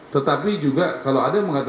tetapi juga kalau ada yang mengatakan